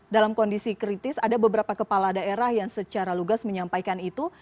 dalam kondisi kritis ada beberapa kepala daerah yang secara lugas menyampaikan itu